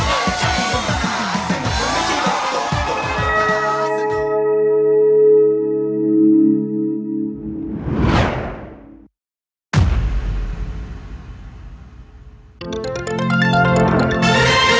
โปรดติดตามตอนต่อไป